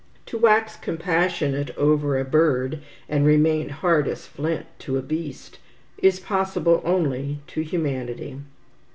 To wax compassionate over a bird, and remain hard as flint to a beast, is possible only to humanity.